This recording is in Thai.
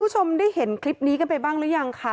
คุณผู้ชมได้เห็นคลิปนี้กันไปบ้างหรือยังคะ